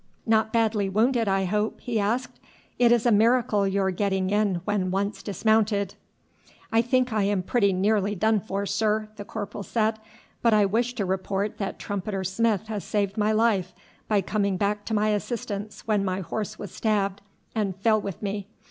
"Not badly wounded, I hope?" he asked. "It is a miracle your getting in when once dismounted." "I think I am pretty nearly done for, sir," the corporal said. "But I wish to report that Trumpeter Smith has saved my life by coming back to my assistance when my horse was stabbed and fell with me.